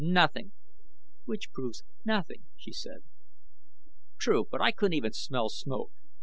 Nothing." "Which proves nothing," she said. "True. But I couldn't even smell smoke.